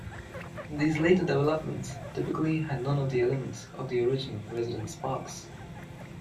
These later developments typically had none of the elements of the original Residence Parks.